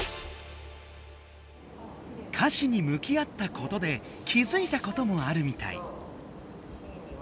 歌詞にむき合ったことで気づいたこともあるみたい。